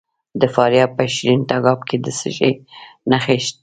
د فاریاب په شیرین تګاب کې د څه شي نښې دي؟